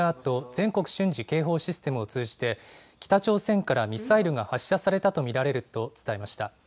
・全国瞬時警報システムを通じて北朝鮮からミサイルが発射されたと見られると伝えました。